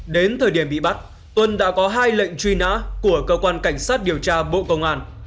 đến thời điểm bị bắt tuân đã có hai lệnh truy nã của cơ quan cảnh sát điều tra bộ công an